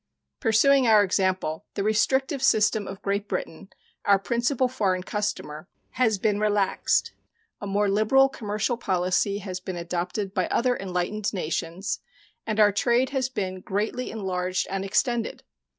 Pursuing our example, the restrictive system of Great Britain, our principal foreign customer, has been relaxed, a more liberal commercial policy has been adopted by other enlightened nations, and our trade has been greatly enlarged and extended.